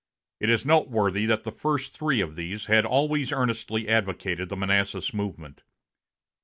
It is noteworthy that the first three of these had always earnestly advocated the Manassas movement.